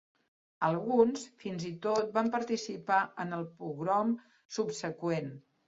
Alguns, fins i tot, van participar en el pogrom subseqüent.